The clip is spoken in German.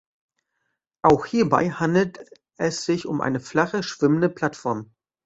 Auch hierbei handelt es sich um eine flache, schwimmende Plattform.